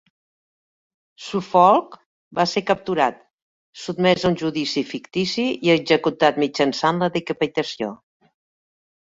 Suffolk va ser capturat, sotmès a un judici fictici i executat mitjançant la decapitació.